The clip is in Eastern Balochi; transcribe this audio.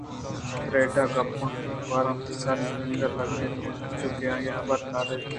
فریدہ ء ِ گپاں کمکاراں وتی سر سُرینگ ءَ لگ اِت اَنت ءُانچو کہ آئی ءِ حبر دُرٛاہ راست اَنت